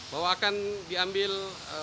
bahwa akan diambil